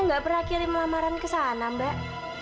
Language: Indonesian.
nggak pernah kirim lamaran ke sana mbak